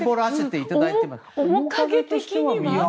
面影的には。